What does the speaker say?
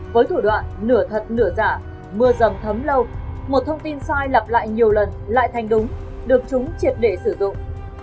với thủ đoạn nửa thật nửa giả mưa rầm thấm lâu một thông tin sai lặp lại nhiều lần lại thành đúng được chúng triệt để sử dụng